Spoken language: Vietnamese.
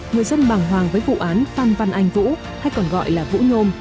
người dân bằng hoàng với vụ án phan văn anh vũ hay còn gọi là vũ nhôm